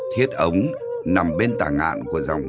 thiết ống nằm bên tà ngạn của dòng sông mã